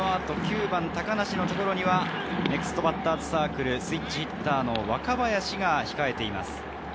９番・高梨のところにはネクストバッターズサークル、スイッチヒッター・若林が控えています。